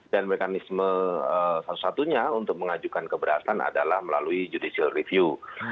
dan mekanisme satu satunya untuk mengajukan keberasan adalah melalui judicial review